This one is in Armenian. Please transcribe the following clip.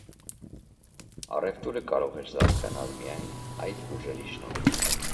Առևտուրը կարող էր զարգանալ միայն այդ ուժերի շնորհիվ։